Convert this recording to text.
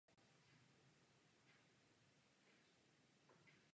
Stála se i "Victoria Secret Anděl".